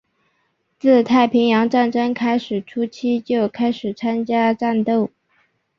自太平洋战争开战初期就开始参加战斗。